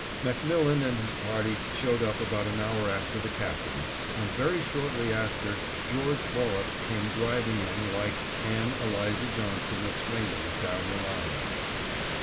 MacMillan and his party showed up about an hour after the Captain, and very shortly after George Borup came driving in, like "Ann Eliza Johnson, a swingin' down the line."